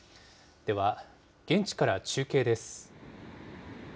では、現地から中継です。